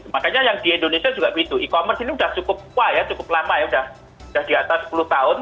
makanya yang di indonesia juga begitu e commerce ini sudah cukup wah ya cukup lama ya sudah di atas sepuluh tahun